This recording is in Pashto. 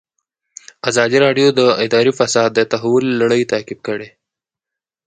ازادي راډیو د اداري فساد د تحول لړۍ تعقیب کړې.